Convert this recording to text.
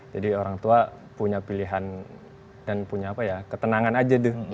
jadi orang tua punya pilihan dan punya apa ya ketenangan aja tuh